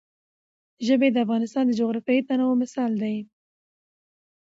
ژبې د افغانستان د جغرافیوي تنوع مثال دی.